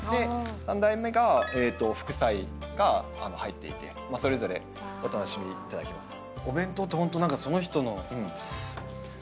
３段目が副菜が入っていてそれぞれお楽しみいただけます。